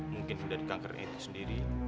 mungkin dari kanker itu sendiri